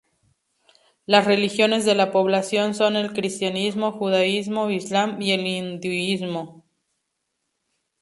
Las religiones de la población son el cristianismo, judaísmo, islam y el hinduismo.